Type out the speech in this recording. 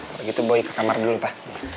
kalau gitu boy ke kamar dulu pak